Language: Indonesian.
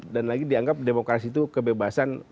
lagi dianggap demokrasi itu kebebasan